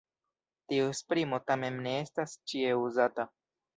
Tiu esprimo tamen ne estas ĉie uzata.